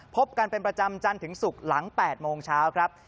พบกันเป็นประจำจันทร์ถึงศุกร์หลัง๘โมงเช้าครับ